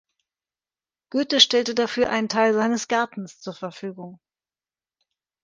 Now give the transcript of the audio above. Goethe stellte dafür einen Teil seines Gartens zur Verfügung.